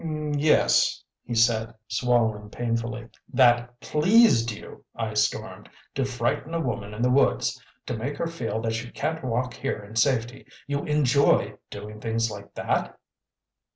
"Yes," he said, swallowing painfully. "That PLEASED you," I stormed, "to frighten a woman in the woods to make her feel that she can't walk here in safety! You ENJOY doing things like that?"